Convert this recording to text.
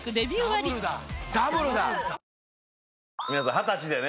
皆さん二十歳でね